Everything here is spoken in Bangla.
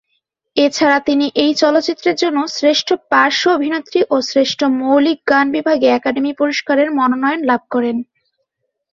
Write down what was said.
এছাড়া তিনি এই চলচ্চিত্রের জন্য শ্রেষ্ঠ পার্শ্ব অভিনেত্রী ও শ্রেষ্ঠ মৌলিক গান বিভাগে একাডেমি পুরস্কারের মনোনয়ন লাভ করেন।